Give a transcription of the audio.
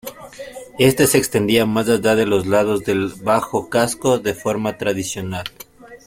Este se extendía más allá de los lados del bajo casco de forma tradicional.